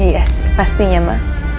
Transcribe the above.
iya sih pastinya ma